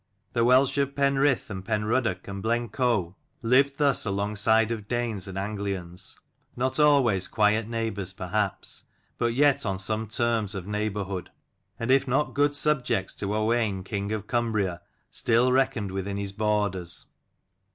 The Welsh of Penrith and Penruddock and Blencow lived thus alongside of Danes and Anglians: not always quiet neighbours perhaps, but yet on some terms of neighbourhood : and if not good subjects to Owain king of Cumbria, still reckoned within his borders.